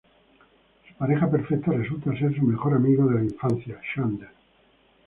Su pareja perfecta resulta ser su mejor amigo de la infancia, Xander.